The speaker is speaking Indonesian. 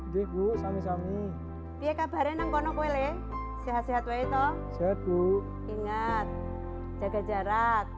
jeput sami sami dia kabarnya ngono kwele sehat sehat wae toh sehat bu ingat jaga jarak